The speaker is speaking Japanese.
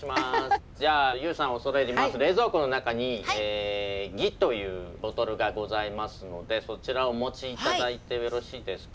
じゃあ優さん恐れ入ります冷蔵庫の中に魏というボトルがございますのでそちらをお持ち頂いてよろしいですか？